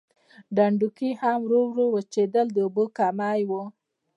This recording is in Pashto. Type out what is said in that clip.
ډنډونکي هم ورو ورو وچېدل د اوبو کمی و.